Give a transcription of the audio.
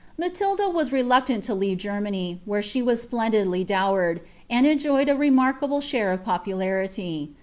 Matilda wu rrluctani lo leave Germany, where ahe was splendidly dowered, and tnioved a remarkable share of popularity.